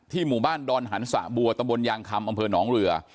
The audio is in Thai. ที่หมู่บ้านดอนหันศบัวตะบนยางคำอำเผินน้องเหลือ